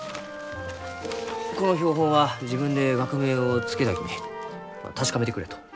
この標本は自分で学名を付けたき確かめてくれと。